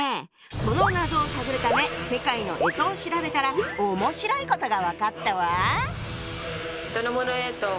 その謎を探るため世界の干支を調べたら面白いことが分かったわ！